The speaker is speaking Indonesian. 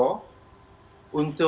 untuk dalam saat ini